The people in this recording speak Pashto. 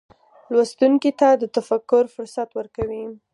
لوستونکي ته د تفکر فرصت ورکوي.